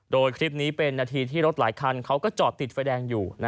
โดยคลิปนี้เป็นนาทีที่รถหลายคันเขาก็จอดติดไฟแดงอยู่